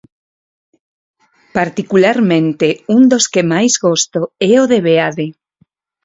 Particularmente un dos que máis gosto é o de Beade.